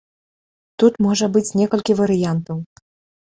Тут можа быць некалькі варыянтаў.